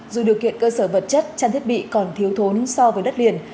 dù điều kiện cơ sở vật chất trang thiết bị còn thiếu thốn so với đất liền